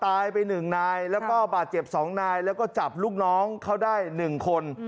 ตายไป๑นายแล้วก็บาดเจ็บ๒นายแล้วก็จับลูกน้องเขาได้๑คน